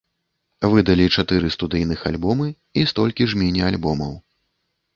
Выдалі чатыры студыйных альбомы і столькі ж міні-альбомаў.